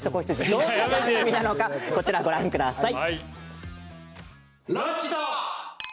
どんな番組なのかご覧ください。